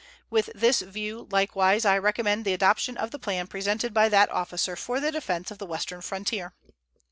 With this view, likewise, I recommend the adoption of the plan presented by that officer for the defense of the western frontier.